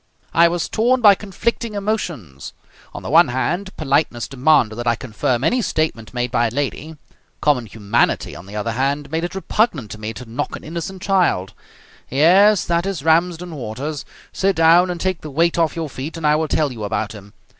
I was torn by conflicting emotions. On the one hand, politeness demanded that I confirm any statement made by a lady. Common humanity, on the other hand, made it repugnant to me to knock an innocent child. Yes, that is Ramsden Waters. Sit down and take the weight off your feet, and I will tell you about him.